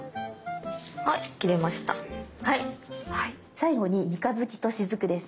最後に三日月としずくです。